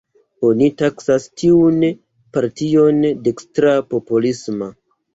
Oni taksas tiun partion dekstra-popolisma.